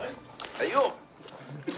はいよ！